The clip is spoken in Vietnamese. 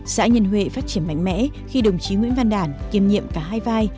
xã nhân huệ phát triển mạnh mẽ khi đồng chí nguyễn văn đản kiêm nhiệm cả hai vai